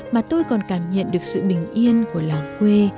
mà tôi còn cảm nhận được sự bình yên của làng quê